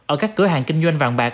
ở các cửa hàng kinh doanh vàng bạc